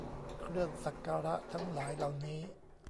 เครื่องสักการะทั้งหลายเหล่านี้